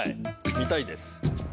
見たいです。